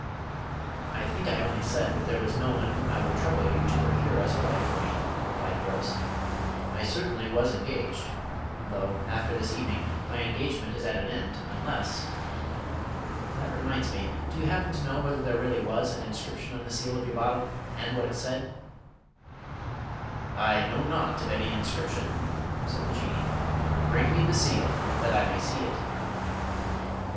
"I think I only said that there was no one whom I would trouble you to procure as a wife for me," replied Horace; "I certainly was engaged though, after this evening, my engagement is at an end unless ... that reminds me, do you happen to know whether there really was an inscription on the seal of your bottle, and what it said?" "I know naught of any inscription," said the Jinnee; "bring me the seal that I may see it."